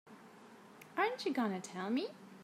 Aren't you going to tell me?